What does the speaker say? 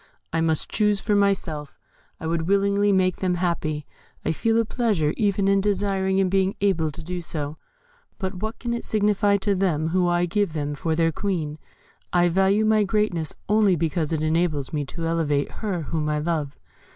I must choose for myself. I would willingly make them happy. I feel a pleasure even in desiring and being able to do so but what can it signify to them who I give them for their Queen? I value my greatness only because it enables me to elevate her whom I love.